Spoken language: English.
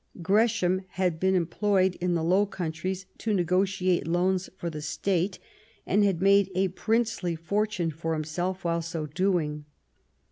Gresham had been em ployed in the Low Countries to negotiate loans for the State, and had made a princely fortune for him self while so doing.